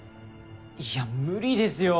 いや無理ですよ。